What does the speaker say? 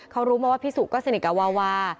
เขารู้มาว่าพี่สุก็สนิทกับวาวา